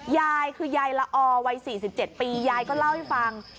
ยายคือยายละออวัย๔๗ปียายก็เล่าให้ฟัง